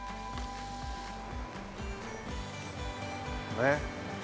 ねっ。